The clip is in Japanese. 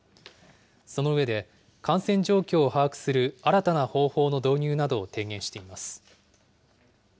その上で、感染状況を把握する新たな方法の導入などを提言しています。